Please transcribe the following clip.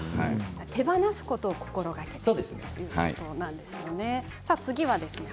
手放すことを心がけるということなんですよね。